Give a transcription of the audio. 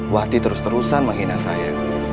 wati terus terusan menghina saya